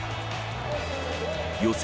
予選